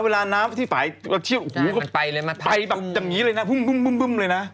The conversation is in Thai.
เวลาน้ำที่ฝ่ายแล้วเชี่ยวอู๋มันไปเลยมาไปแบบอย่างงี้เลยน่ะบึ้มบึ้มบึ้มบึ้มเลยน่ะ